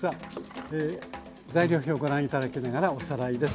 材料表ご覧頂きながらおさらいです。